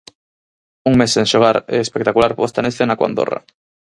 Un mes sen xogar e espectacular posta en escena co Andorra.